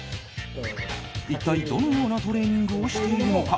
一体どのようなトレーニングをしているのか。